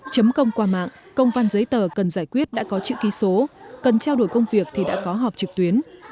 chấm công qua mạng công văn giấy tờ cần giải quyết đã có chữ ký số cần trao đổi công việc thì đã có họp trực tuyến